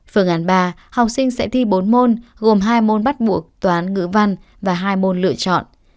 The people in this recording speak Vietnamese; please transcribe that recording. phương án ba học sinh sẽ thi bốn môn gồm hai môn bắt buộc toán ngữ văn và hai môn lựa chọn